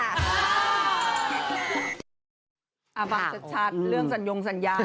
อีฟวันชัดเรื่องสายงสัญญา